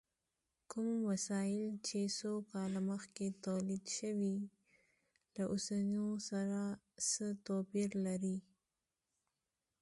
کوم وسایل چې څو کاله مخکې تولید شوي، له اوسنیو سره څه توپیر لري؟